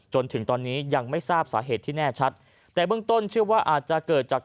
จนถึงตอนนี้ยังไม่ทราบสาเหตุที่แน่ชัดแต่เบื้องต้นเชื่อว่าอาจจะเกิดจาก